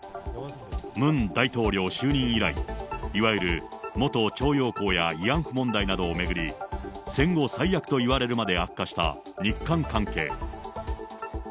ムン大統領就任以来、いわゆる元徴用工や慰安婦問題などを巡り、戦後最悪といわれるまで悪化した日韓関係。